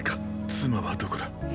妻はどこだ。